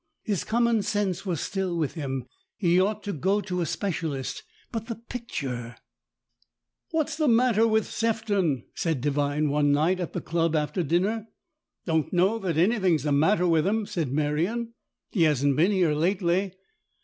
His common sense was still with him. He ought to go to a specialist. But the picture " What's the matter with Sefton ?" said Devigne one night at the club after dinner. " Don't know that anything's the matter with him," said Merion. " He hasn't been here lately."